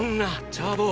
チャー坊！